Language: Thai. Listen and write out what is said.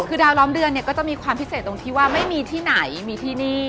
คือดาวล้อมเดือนเนี่ยก็จะมีความพิเศษตรงที่ว่าไม่มีที่ไหนมีที่นี่